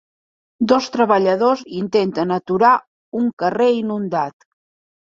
Dos treballadors intenten aturar un carrer inundat.